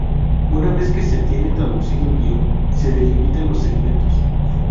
Una vez que se tiene traducido el guion, se delimitan los segmentos.